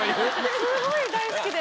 すごい大好きで。